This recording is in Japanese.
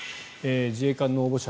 自衛官の応募者